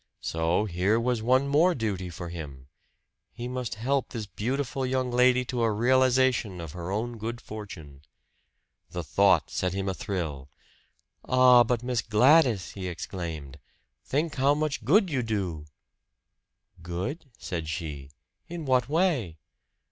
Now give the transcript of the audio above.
So here was one more duty for him he must help this beautiful young lady to a realization of her own good fortune. The thought set him athrill. "Ah, but Miss Gladys!" he exclaimed. "Think how much good you do!" "Good?" said she. "In what way?"